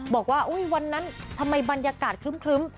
บอกว่าวันนั้นทำไมบรรยากาศครึ้ม